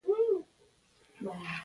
اسمان جولا دی اوریځې اوبدي